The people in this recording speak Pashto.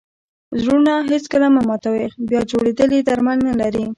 زړونه هېڅکله مه ماتوئ! بیا جوړېدل ئې درمل نه لري.